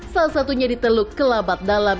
salah satunya di teluk kelabat dalam